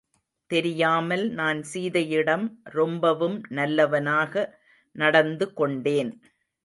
தெரியாமல் நான் சீதையிடம் ரொம்பவும் நல்லவனாக நடந்து கொண்டேன்.